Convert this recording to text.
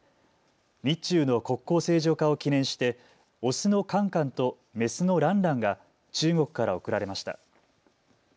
日中の国交正常化を記念してオスのカンカンとメスのランランが中国から贈られました。